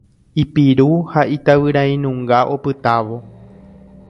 Ipiru ha itavyrainunga opytávo.